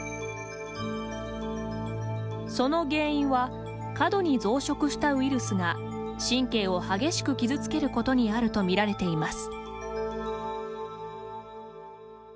その原因は過度に増殖したウイルスが神経を激しく傷つけることにあると見られています。